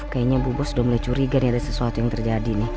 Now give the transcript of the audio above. kayanya bu bos sudah mulai curiga nih ada sesuatu yang terjadi nih